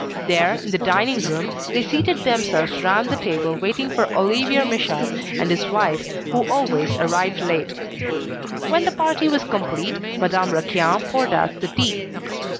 There, in the dining room, they seated themselves round the table waiting for Olivier Michaud and his wife who always arrived late. When the party was complete, Madame Raquin poured out the tea.